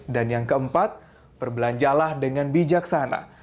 dan yang keempat berbelanjalah dengan bijaksana